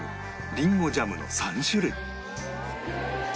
りんごジャムの３種類